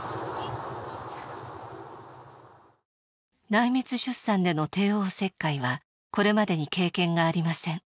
内密出産での帝王切開はこれまでに経験がありません。